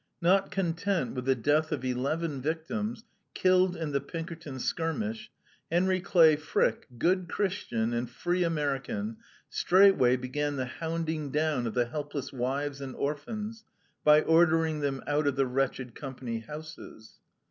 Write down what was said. Not content with the death of eleven victims, killed in the Pinkerton skirmish, Henry Clay Frick, good Christian and free American, straightway began the hounding down of the helpless wives and orphans, by ordering them out of the wretched Company houses.